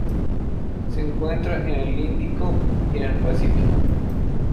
Se encuentra en el Índico y en el Pacífico.